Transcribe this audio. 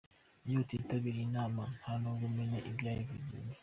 Iyo utitabiriye inama nta nubwo umenya ibyayivugiwemo.